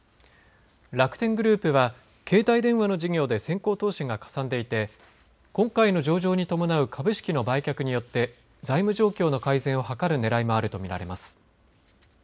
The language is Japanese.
楽天グループは携帯電話の事業で先行投資がかさんでいて今回の上場に伴う株式の売却によって財務状況の改善を図るねらいもあると見られます。